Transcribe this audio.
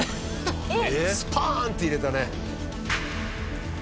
スパーンッて入れたね。